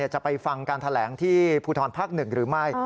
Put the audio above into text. จะไปฟังการแถลงที่ภูทรภาค๑หรือไม่